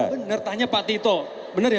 bener ya pak ya